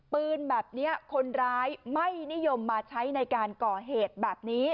ปืนแบบนี้คนร้ายไม่นิยมมาใช้ในการก่อเหตุแบบนี้